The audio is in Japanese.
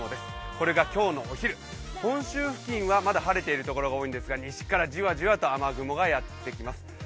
これが今日のお昼、本州付近はまだ晴れているところが多いんですが西からじわじわと雨雲がやってきます。